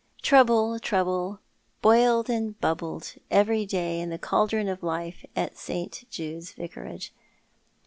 Trouble, trouble, boiled and bubbled every day in the cauldron of life at St. Jude's Vicarage.